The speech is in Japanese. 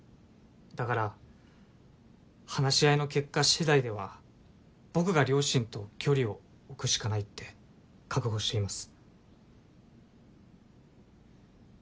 だから話し合いの結果しだいでは僕が両親と距離を置くしかないって覚悟しています。